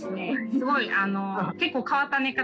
すごい結構変わった寝方